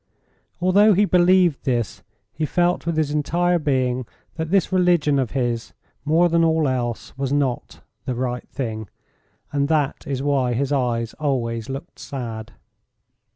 Although he believed this, he felt with his entire being that this religion of his, more than all else, was not "the right thing," and that is why his eyes always looked sad.